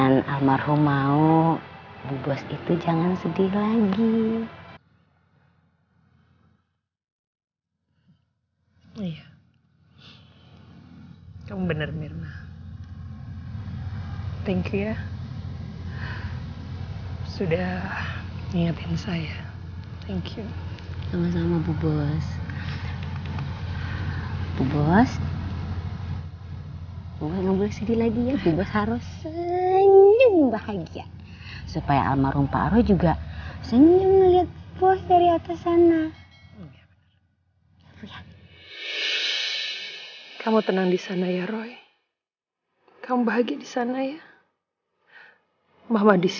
nama selama mbak andin kesini